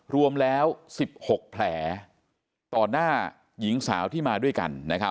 รวมแล้ว๑๖แผลต่อหน้าหญิงสาวที่มาด้วยกัน